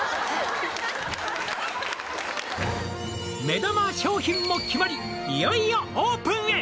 目玉商品も決まりいよいよオープンへ！